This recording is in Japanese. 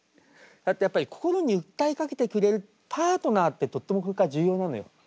だってやっぱり心に訴えかけてくれるパートナーってとってもこれから重要なのよ。